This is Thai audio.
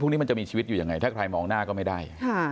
นี้มันจะมีชีวิตอยู่ยังไงถ้าใครมองหน้าก็ไม่ได้